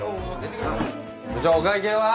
部長お会計は？